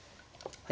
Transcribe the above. はい。